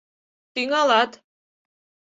Тӱҥалат!